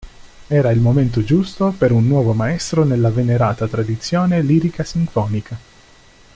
Era il momento giusto per un nuovo maestro nella venerata tradizione lirica-sinfonica.